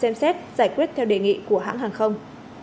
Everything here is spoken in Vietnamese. việt nam xem xét giải quyết theo đề nghị của hãng hàng không